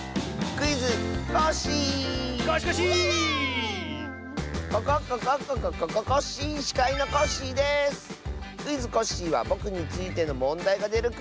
「クイズ！コッシー」はぼくについてのもんだいがでるクイズだよ。